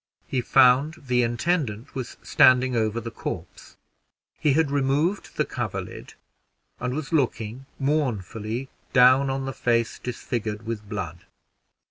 He found the intendant was standing over the corpse; he had removed the coverlid, and was looking mournfully down on the face disfigured with blood.